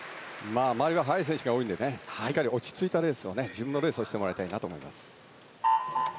周りは速い選手が多いのでしっかり落ち着いたレースを自分のレースをしてもらいたいですね。